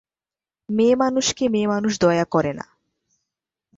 মেয়েমানুষকে মেয়েমানুষ দয়া করে না।